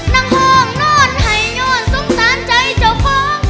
นั่งห่วงนอนไห่ยอรงท์ซึ้งสานใจจ๋าของ